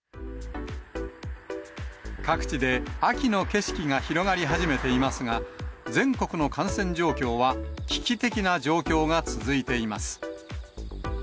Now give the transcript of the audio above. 各地で秋の景色が広がり始めていますが、全国の感染状況は危機的な状況が続いています。